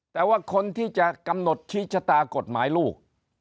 แต่ว่าคนที่จะกำหนดชี้ชะตากฎหมายลูก